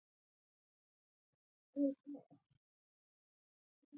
د افغانستان هېواد له خوندورو او خوږو انارو څخه پوره ډک دی.